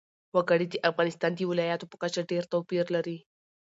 وګړي د افغانستان د ولایاتو په کچه ډېر توپیر لري.